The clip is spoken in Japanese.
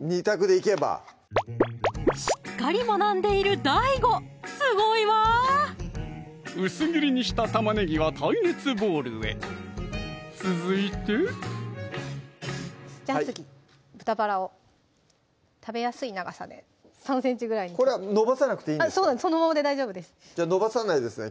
２択でいけばしっかり学んでいるＤＡＩＧＯすごいわ薄切りにした玉ねぎは耐熱ボウルへ続いてじゃあ次豚バラを食べやすい長さで３ｃｍぐらいにこれは伸ばさなくていいんですかそのままで大丈夫です伸ばさないですね